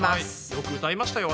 よく歌いましたよ